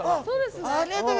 そうですね。